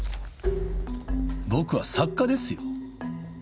僕は作家ですよ。